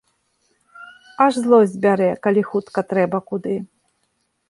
Аж злосць бярэ, калі хутка трэба куды.